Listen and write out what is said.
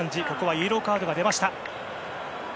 イエローカードが出ました。